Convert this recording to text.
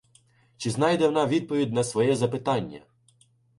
Чи знайде вона відповідь на своє запитання?